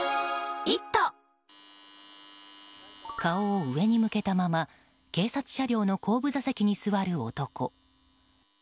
顔を上に向けたまま警察車両の後部座席に座る男。